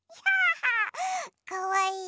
かわいい？